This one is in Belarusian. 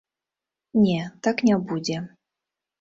Не, так не будзе.